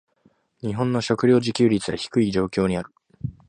日本の食糧自給率は低い状態にある。